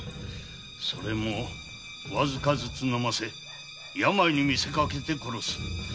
それもわずかずつ飲ませ病にみせかけて殺す